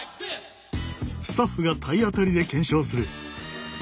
スタッフが体当たりで検証する。